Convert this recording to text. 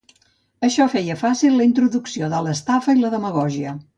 Això feia fàcil la introducció de l'estafa i demagògia.